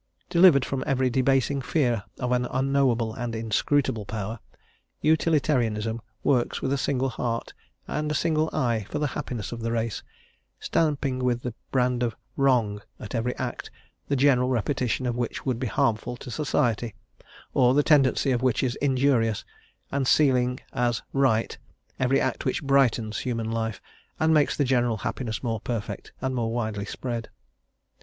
Delivered from every debasing fear of an unknowable and inscrutable power, Utilitarianism works with a single heart and a single eye for the happiness of the race, stamping with the brand of "wrong" every act the general repetition of which would be harmful to society, or the tendency of which is injurious, and sealing as "right" every act which brightens human life, and makes the general happiness more perfect, and more widely spread.